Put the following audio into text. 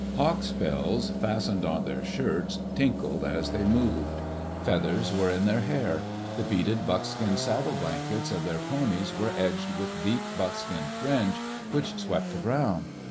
Hawk's bells fastened on their shirts tinkled as they moved. Feathers were in their hair. The beaded buckskin saddle blankets of their ponies were edged with deep buckskin fringe which swept the ground.